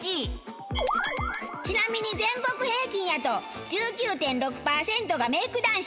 ちなみに全国平均やと１９．６パーセントがメイク男子。